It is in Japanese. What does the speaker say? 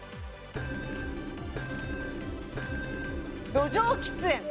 路上喫煙。